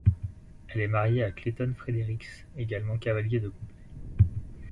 Elle est mariée à Clayton Fredericks, également cavalier de complet.